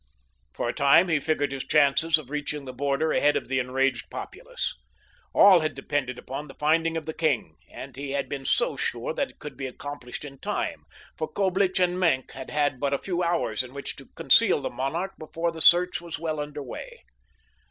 For a time he figured his chances of reaching the border ahead of the enraged populace. All had depended upon the finding of the king, and he had been so sure that it could be accomplished in time, for Coblich and Maenck had had but a few hours in which to conceal the monarch before the search was well under way.